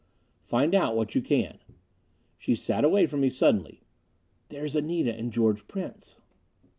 "Find out what you can." She sat away from me suddenly. "There's Anita and George Prince."